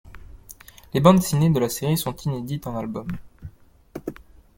Les bandes dessinées de la série sont inédites en albums.